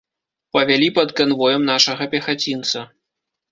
Павялі пад канвоем нашага пехацінца.